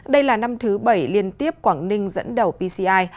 đây là năm thứ bảy liên tiếp quảng ninh dẫn đầu pci